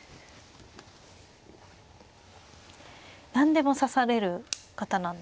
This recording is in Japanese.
何でも指される方なんですね。